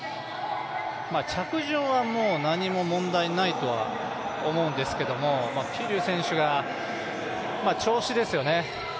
着順はもう何も問題ないとは思うんですけど桐生選手が、調子ですよね。